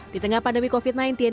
di tengah pandemi covid sembilan belas